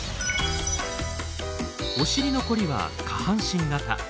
お尻のコリは下半身型。